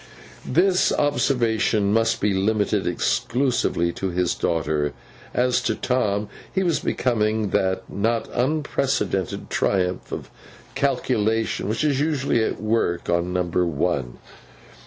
This observation must be limited exclusively to his daughter. As to Tom, he was becoming that not unprecedented triumph of calculation which is usually at work on number one.